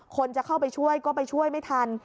คนจะเข้าไปช่วยก็ไปช่วยไม่ทัน